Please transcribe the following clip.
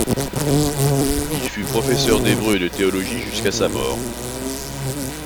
Il fut professeur d’hébreu et de théologie jusqu’à sa mort.